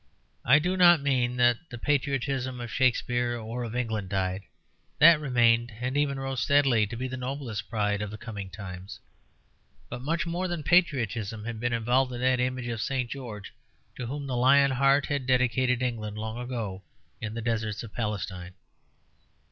I do not mean that the patriotism of Shakespeare or of England died; that remained and even rose steadily, to be the noblest pride of the coming times. But much more than patriotism had been involved in that image of St. George to whom the Lion Heart had dedicated England long ago in the deserts of Palestine.